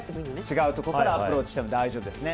違うところからアプローチしても大丈夫です。